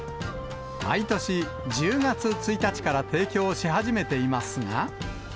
毎年１０月１日から提供し始めていますが。